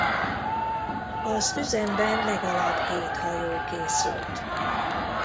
Az üzemben legalább hét hajó készült.